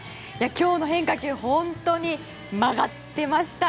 今日の変化球本当に曲がってました。